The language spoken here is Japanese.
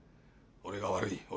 俺が悪い。